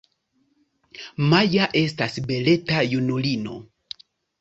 Maja estas beleta junulino.